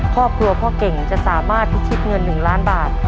ครอบครัวพ่อเก่งจะสามารถพิชิตเงิน๑ล้านบาท